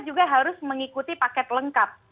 juga harus mengikuti paket lengkap